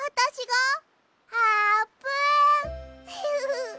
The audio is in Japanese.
フフフフッ。